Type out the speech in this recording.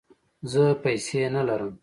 زه پیسې نه لرم